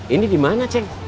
ini dimana ceng